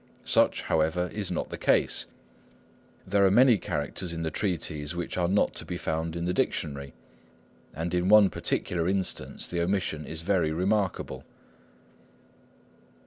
Such, however, is not the case. There are many characters in the treatise which are not to be found in the dictionary, and in one particular instance the omission is very remarkable.